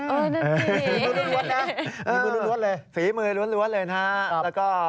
เออนั่นจริงนะฝีมือรวดเลยนะครับแล้วก็